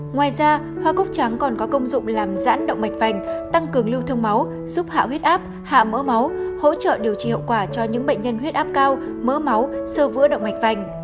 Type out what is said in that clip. ngoài ra hoa cúc trắng còn có công dụng làm giãn động mạch vành tăng cường lưu thông máu giúp hạ huyết áp hạ mỡ máu hỗ trợ điều trị hiệu quả cho những bệnh nhân huyết áp cao mỡ máu sơ vữa động mạch vành